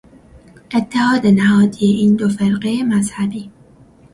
اتحاد نهادی این دو فرقهی مذهبی